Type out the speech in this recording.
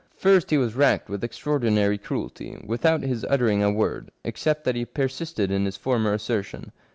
" First he was racked with extraordinary cruelty, without his uttering a word, except that he persisted in his former assertion.